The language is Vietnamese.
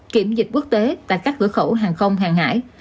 kiểm dịch quốc tế tại các cửa khẩu hàng không hàng hải